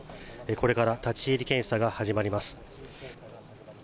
これから立ち入り検査が始まります。